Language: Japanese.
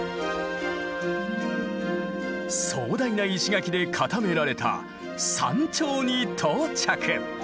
壮大な石垣で固められた山頂に到着。